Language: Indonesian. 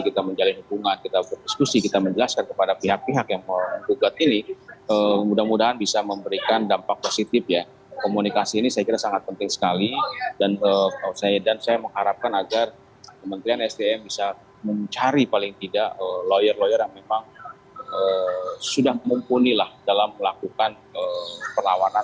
kita menjalin hubungan kita berdiskusi kita menjelaskan kepada pihak pihak yang menggugat ini mudah mudahan bisa memberikan dampak positif ya komunikasi ini saya kira sangat penting sekali dan saya dan saya mengharapkan agar kementerian sdm bisa mencari paling tidak lawyer lawyer yang memang sudah mumpuni lah dalam melakukan perlawanan